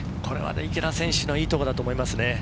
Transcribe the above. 池田選手のいいところだと思います。